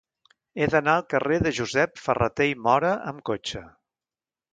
He d'anar al carrer de Josep Ferrater i Móra amb cotxe.